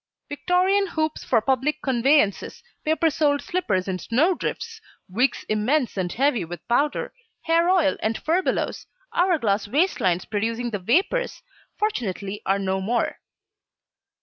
Victorian hoops for public conveyances, paper soled slippers in snow drifts, wigs immense and heavy with powder, hair oil and furbelows, hour glass waist lines producing the "vapours" fortunately are no more.